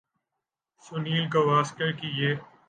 سنیل گواسکر کی یہ